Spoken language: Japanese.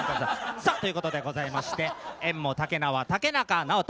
さあということでございまして宴もたけなわ竹中直人。